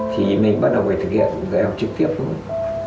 thì mình bắt đầu phải thực hiện dạy học trực tiếp thôi